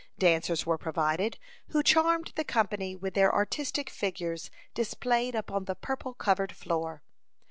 Dancers were provided, who charmed the company with their artistic figures displayed upon the purple covered floor.